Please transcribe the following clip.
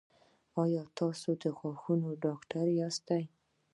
ایا تاسو د غاښونو ډاکټر یاست؟